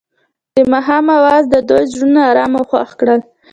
د ماښام اواز د دوی زړونه ارامه او خوښ کړل.